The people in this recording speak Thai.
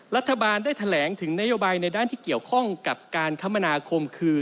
รัฐบาลได้แถลงถึงนโยบายในด้านที่เกี่ยวข้องกับการคมนาคมคือ